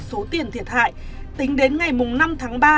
số tiền thiệt hại tính đến ngày năm tháng ba